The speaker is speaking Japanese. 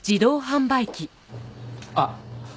あっ！